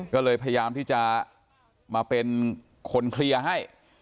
ก็เลยพยายามที่จะมาเป็นคนเคลียร์ให้